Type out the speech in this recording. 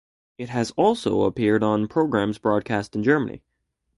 It has also appeared on programs broadcast in Germany.